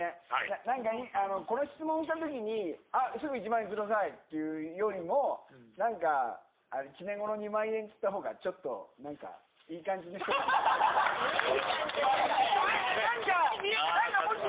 なんか、この質問したときに、あっ、すぐ１万円くださいっていうよりも、なんか、１年後の２万円って言ったほうが、ちょっとなんか、いい感じの人にすばらしい読みですね。